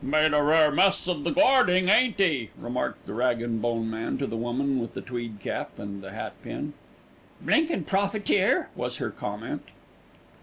"Made a rare mess of the garding, ain't 'e?" remarked the rag and bone man to the woman with the tweed cap and the hat pin. "Blinkin' profiteer!" was her comment.